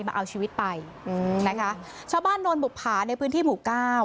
มาเอาชีวิตไปชาวบ้านโดนบุกผาในพื้นที่หมู่ก้าว